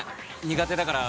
苦手だから。